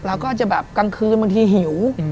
เราก็จะแบบกลางคืนบางทีหิว